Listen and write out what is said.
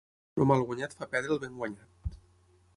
El mal guanyat fa perdre el ben guanyat.